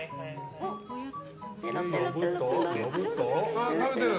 あ、食べてる！